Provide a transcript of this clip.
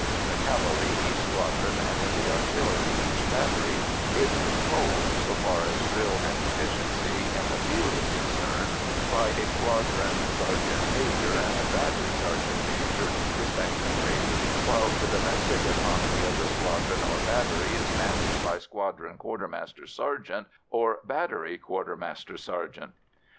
In the cavalry each squadron, and in the artillery each battery, is controlled, so far as drill and efficiency in the field is concerned, by a squadron sergeant major and a battery sergeant major, respectively, while the domestic economy of the squadron or battery is managed by squadron quartermaster sergeant or battery quartermaster sergeant.